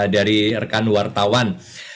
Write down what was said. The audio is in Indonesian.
dari rekan wartawan